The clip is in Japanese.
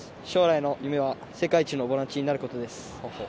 将来の夢は世界一のボランチになることです。